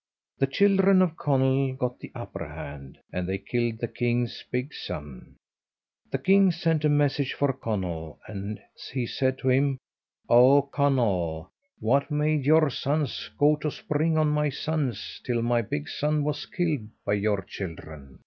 The children of Conall got the upper hand, and they killed the king's big son. The king sent a message for Conall, and he said to him "Oh, Conall! what made your sons go to spring on my sons till my big son was killed by your children?